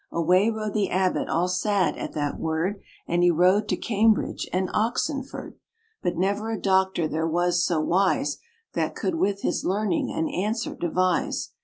RAINBOW GOLD Away rode the abbot all sad at that word, And he rode to Cambridge, and Oxenford; But never a doctor there was so wise, That could with his learning an answer devise.